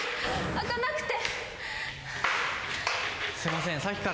開かなくて。